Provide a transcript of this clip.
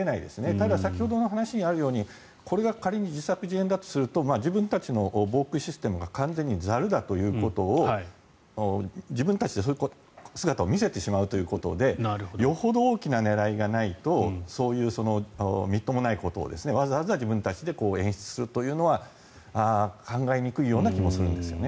ただ、先ほどの話にあるようにこれが仮に自作自演だとすると自分たちの防空システムが完全にざるだということを自分たちで、そういう姿を見せてしまうということでよほど大きな狙いがないとそういうみっともないことをわざわざ自分たちで演出するというのは考えにくいような気もするんですよね。